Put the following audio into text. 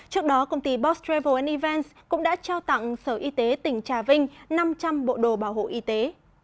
trước đó công ty boss travel events cũng đã trao tặng sở y tế tỉnh trà vinh năm trăm linh bộ đồ bảo hộ y tế